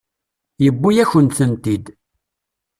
Yuwi-akent-tent-id.